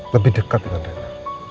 lebih dekat dengan rena